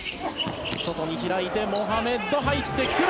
外に開いてモハメッド、入ってくる！